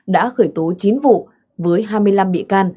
đã khởi tố chín vụ với hai mươi năm bị can